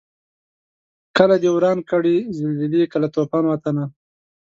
کله دي وران کړي زلزلې کله توپان وطنه